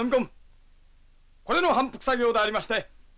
これの反復作業でありまして反すう